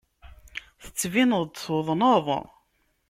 Tettbineḍ-d tuḍneḍ.